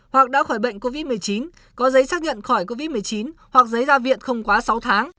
hoặc đã khỏi bệnh covid một mươi chín có giấy xác nhận khỏi covid một mươi chín hoặc giấy ra viện không quá sáu tháng